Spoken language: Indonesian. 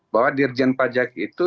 bahwa dirjen pajak itu